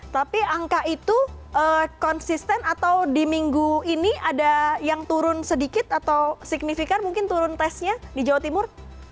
tapi angka itu konsisten atau di minggu ini ada yang turun sedikit atau signifikan mungkin turun tesnya di jawa timur